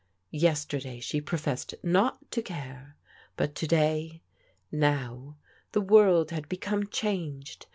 Yesterday she professed not to care, but to day, now, the world had become changed.